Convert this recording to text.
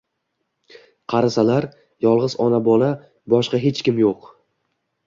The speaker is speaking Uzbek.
Qarasalar yolg‘iz ona-bola, boshqa hech kim yo‘q.